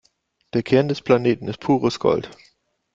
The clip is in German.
Der Kern des Planeten ist pures Gold.